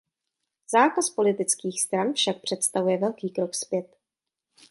Zákaz politických stran však představuje velký krok zpět.